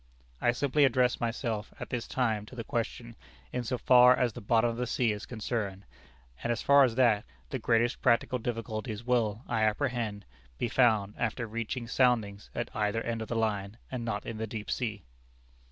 "I simply address myself at this time to the question in so far as the bottom of the sea is concerned, and as far as that, the greatest practical difficulties will, I apprehend, be found after reaching soundings at either end of the line, and not in the deep sea....